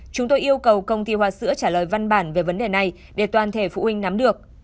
chúng tôi yêu cầu công ty hoa sữa trả lời văn bản về vấn đề này để toàn thể phụ huynh nắm được